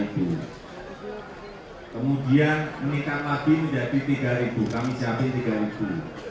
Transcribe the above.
kemudian meningkat lagi menjadi tiga kami siapin tiga